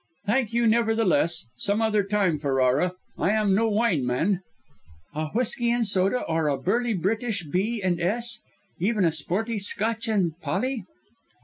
"Thank you, nevertheless. Some other time, Ferrara; I am no wine man." "A whisky and soda, or a burly British B. and S., even a sporty 'Scotch and Polly'?"